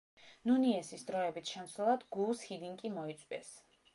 ნუნიესის დროებით შემცვლელად გუუს ჰიდინკი მოიწვიეს.